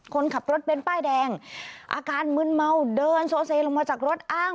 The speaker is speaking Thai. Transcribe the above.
คนขับรถเบ้นป้ายแดงอาการมึนเมาเดินโซเซลงมาจากรถอ้าง